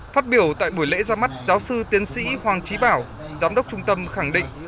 phát biểu tại buổi lễ ra mắt giáo sư tiến sĩ hoàng trí bảo giám đốc trung tâm khẳng định